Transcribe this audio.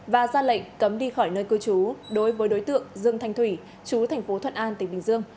và ra lệnh cấm đi khỏi nơi cư trú đối với đối tượng dương thanh thủy trú tp thuận an tỉnh bình dương